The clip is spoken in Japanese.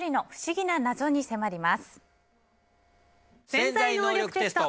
「潜在能力テスト」。